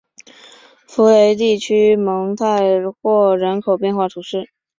福雷地区蒙泰圭人口变化图示